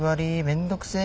めんどくせ。